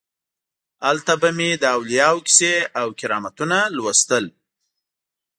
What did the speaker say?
هلته به مې د اولیاو کیسې او کرامتونه لوستل.